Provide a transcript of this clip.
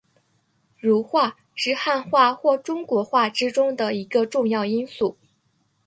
儒化是汉化或中国化之中的一个重要因素。